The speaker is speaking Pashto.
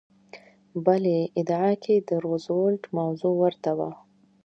بلې ادعا کې د روزولټ موضوع ورته وه.